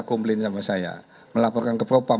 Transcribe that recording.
komplain sama saya melaporkan ke propam